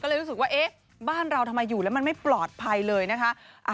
ก็เลยรู้สึกว่าเอ๊ะบ้านเราทำไมอยู่แล้วมันไม่ปลอดภัยเลยนะคะ